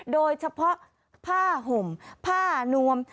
โดยเฉพาะผ้าห่มผ้านวม